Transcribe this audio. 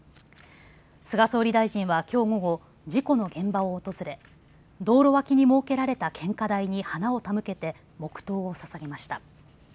菅総理大臣はきょう午後、事故の現場を訪れ道路脇に設けられた献花台に花を手向けて黙とうをささげました。